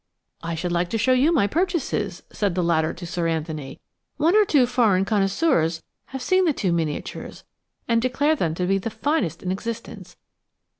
"I should like to show you my purchases," said the latter to Sir Anthony. "One or two foreign connoisseurs have seen the two miniatures and declare them to be the finest in existence.